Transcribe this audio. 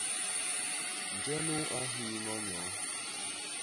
Nje nu a nhii ñño nyoo?